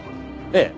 ええ。